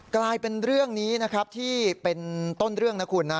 กลายเป็นเรื่องนี้นะครับที่เป็นต้นเรื่องนะคุณนะ